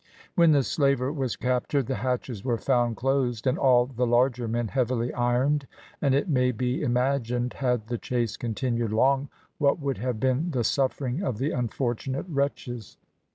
When the slaver was captured the hatches were found closed and all the larger men heavily ironed, and it may be imagined, had the chase continued long, what would have been the suffering of the unfortunate wretches.